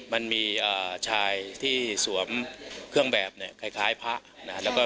มันมีชายที่สวมเครื่องแบบคล้ายภาค